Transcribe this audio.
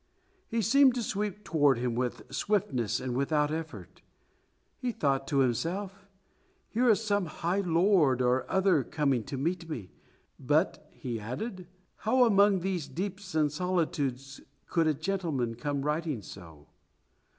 He seemed to sweep toward him with swiftness and without effort. He thought to himself, "Here is some high lord or other coming to meet me, but," he added, "how among these deeps and solitudes could a gentleman come riding so?"